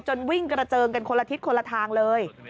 วิ่งกระเจิงกันคนละทิศคนละทางเลย